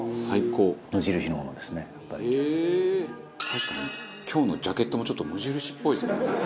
確かに今日のジャケットもちょっと無印っぽいですもんね